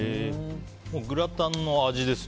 グラタンの味ですね。